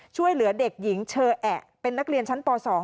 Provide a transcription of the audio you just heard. ช่วยเหลือเด็กหญิงเชอแอะเป็นนักเรียนชั้นป๒